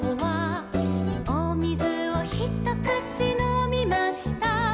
「おみずをひとくちのみました」